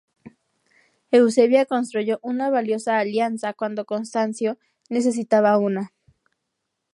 Eusebia construyó una valiosa alianza cuando Constancio necesitaba una.